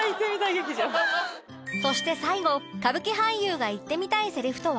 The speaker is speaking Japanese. そして最後歌舞伎俳優が言ってみたいセリフとは？